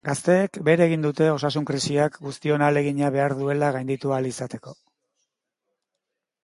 Gazteek bere egin dute osasun-krisiak guztion ahalegina behar duela gainditu ahal izateko.